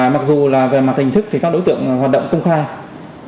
mặc dù về mặt hình thức các đối tượng hoạt động công khai